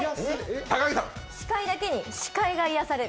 死海だけに視界が癒やされる。